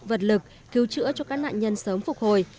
vật lực cứu chữa cho các nạn nhân sớm phục hồi